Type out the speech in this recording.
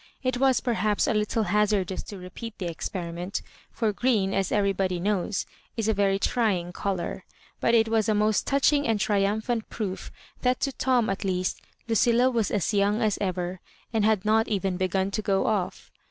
It was perhaps a little hazardous to repeat the experiment, for green, as everybody knows, is a very trying colour; but it was a most touching and triumphant proof that to Tom, at least, Lucilla was as young as ever, and had not even begun to go off.